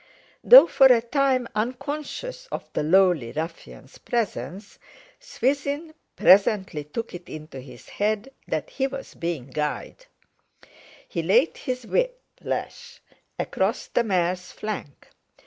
Though for a time unconscious of the lowly ruffian's presence, Swithin presently took it into his head that he was being guyed. He laid his whip lash across the mares flank.